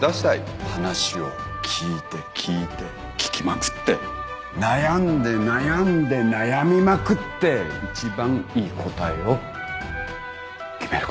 話を聞いて聞いて聞きまくって悩んで悩んで悩みまくって一番いい答えを決めること。